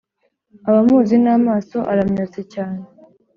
abamuzi n’amaso aramyotse cyane,